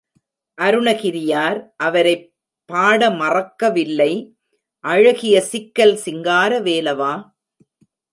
அருணகிரியார் அவரைப் பாடமறக்கவில்லை அழகிய சிக்கல் சிங்கார வேலவா!